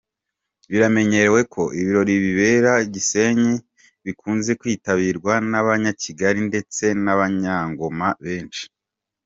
Biramenyerewe ko ibirori bibera Gisenyi bikunze kwitabirwa n’Abanyakigali ndetse n’abanyegoma benshi.